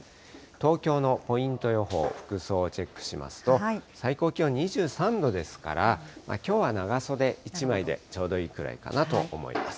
東京のポイント予報、服装をチェックしますと、最高気温２３度ですから、きょうは長袖１枚でちょうどいいくらいかなと思います。